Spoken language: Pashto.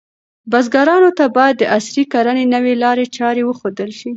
بزګرانو ته باید د عصري کرنې نوې لارې چارې وښودل شي.